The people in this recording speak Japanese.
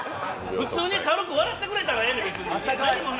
普通に軽く笑ってくれたらええねん。